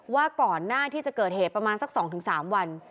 ว่าก่อนหน้าที่จะเกิดเหตุประมาณสัก๒๓วัน